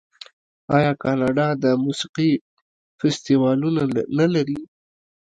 آیا کاناډا د موسیقۍ فستیوالونه نلري؟